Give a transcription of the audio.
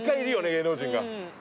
芸能人が。